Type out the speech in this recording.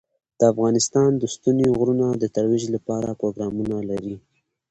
افغانستان د ستوني غرونه د ترویج لپاره پروګرامونه لري.